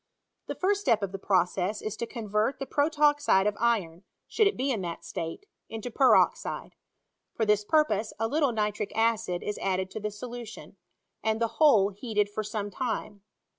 The first step of the process is to convert the protoxide of iron (should it be in that state) into peroxide. For this purpose, a little nitric acid is added to the solu tion, and the whole heated for some time.